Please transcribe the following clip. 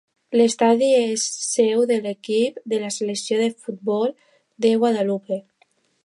L'estadi és seu de l'equip de la selecció de futbol de Guadalupe.